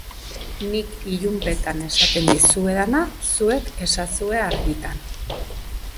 Nik ilunpetan esaten dizuedana, zuek esazue argitan.